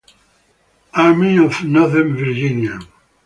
Army of Northern Virginia.